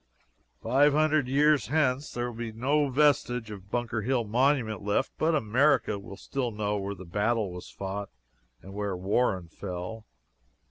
Five hundred years hence there will be no vestige of Bunker Hill Monument left, but America will still know where the battle was fought and where Warren fell.